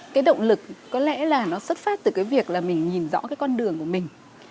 cái động lực có lẽ là nó xuất phát từ cái việc là mình nhìn rõ cái con đường của mình